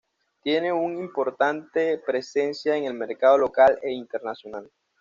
Tiene una importante presencia en el mercado local e internacional.